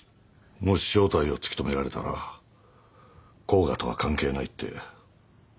もし正体を突き止められたら甲賀とは関係ないって蛍を見捨てるだろう。